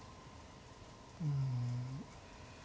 うん。